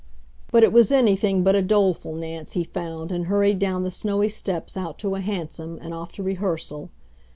But it was anything but a doleful Nance he found and hurried down the snowy steps out to a hansom and off to rehearsal.